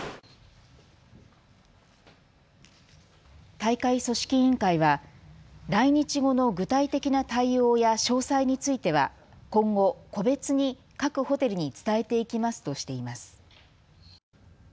大会組織委員会は来日後の具体的な対応や詳細については今後、個別に各ホテルに伝えていきますとしています。